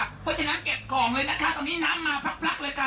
เพราะฉะนั้นเก็บของเลยนะคะตรงนี้น้ำมาพลักเลยค่ะ